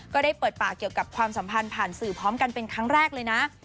ก็ได้เปิดปากเกี่ยวกับความสัมพันธ์ผ่านสื่อพร้อมกันเป็นครั้งแรกเลยนะ